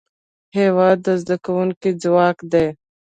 هېواد د زدهکوونکو ځواک دی.